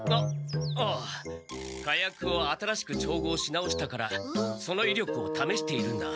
あああ火薬を新しく調合し直したからそのいりょくをためしているんだ。